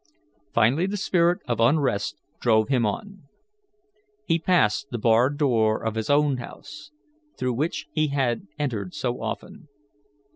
Finally the spirit of unrest drove him on. He passed the barred door of his own house, through which he had entered so often.